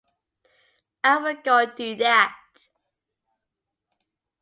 I will go do that.